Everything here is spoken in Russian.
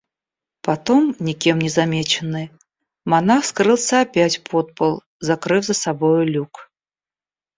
Потом, никем не замеченный, монах скрылся опять под пол, закрыв за собою люк.